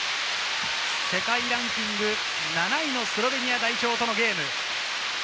世界ランキング７位のスロベニア代表とのゲーム。